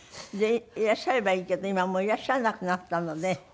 いらっしゃればいいけど今もういらっしゃらなくなったので。